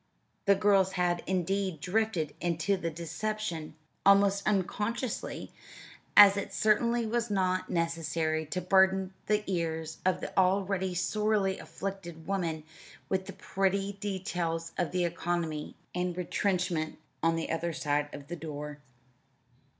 The girls had, indeed, drifted into the deception almost unconsciously, as it certainly was not necessary to burden the ears of the already sorely afflicted woman with the petty details of the economy and retrenchment on the other side of her door.